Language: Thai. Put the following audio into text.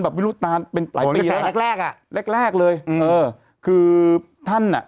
ไม่รู้นานเป็นหลายปีตั้งแต่แรกแรกอ่ะแรกแรกเลยอืมเออคือท่านอ่ะ